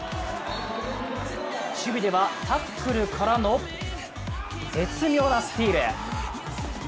守備ではタックルからの絶妙なスティール。